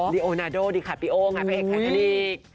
ดิโอนาโดดิคาร์ปิโอไอ้พระเอกแข่งพลีก